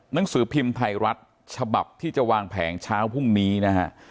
หนังสือพิมพ์ไทยรัฐฉบับที่จะวางแผงเช้าพรุ่งนี้นะฮะ